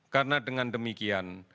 karena dengan demikian